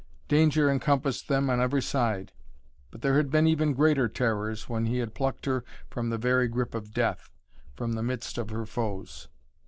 Danger encompassed them on every side. But there had been even greater terrors when he had plucked her from the very grip of Death, from the midst of her foes.